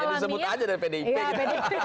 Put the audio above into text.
jadi disebut aja dari pdp